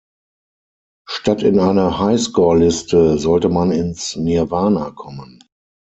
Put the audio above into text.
Statt in eine High-Score-Liste sollte man ins Nirwana kommen.